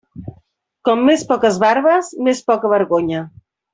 Com més poques barbes, més poca vergonya.